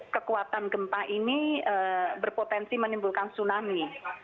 kekuatan gempa ini berpotensi menimbulkan tsunami